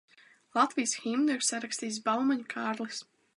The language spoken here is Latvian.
Latvijas himnu ir sarakstījis Baumaņu Kārlis.